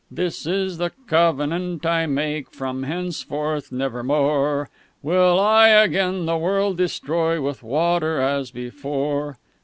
_"This is the cov'nant that I make: From henceforth nevermore Will I again the world destroy With water, as before."